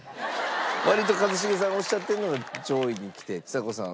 割と一茂さんおっしゃってるのが上位にきてちさ子さん。